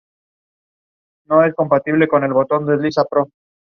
Elle tries to convince Rachel to reconcile with Lee but is unsuccessful.